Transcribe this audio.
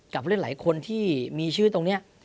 กับผู้เล่นหลายคนที่มีชื่อตรงนี้